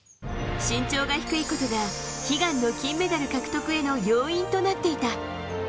身長が低いことが、悲願の金メダル獲得への要因となっていた。